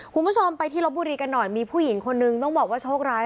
คุณผู้ชมไปที่ลบบุรีกันหน่อยมีผู้หญิงคนนึงต้องบอกว่าโชคร้าย